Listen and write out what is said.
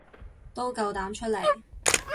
都夠膽出嚟